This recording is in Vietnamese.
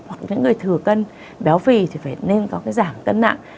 hoặc những người thừa cân béo phì thì phải nên có cái giảm cân nặng